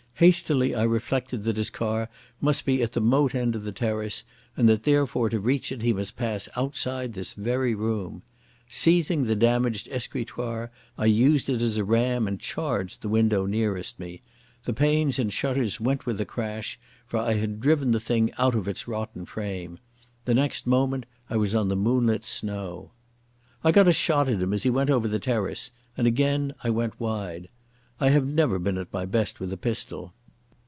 Hastily I reflected that his car must be at the moat end of the terrace, and that therefore to reach it he must pass outside this very room. Seizing the damaged escritoire, I used it as a ram, and charged the window nearest me. The panes and shutters went with a crash, for I had driven the thing out of its rotten frame. The next second I was on the moonlit snow. I got a shot at him as he went over the terrace, and again I went wide. I never was at my best with a pistol.